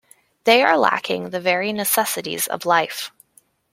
They are lacking the very necessities of life.